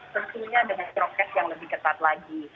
tentunya dengan prokes yang lebih ketat lagi